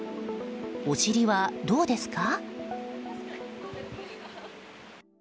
お尻はどうですか？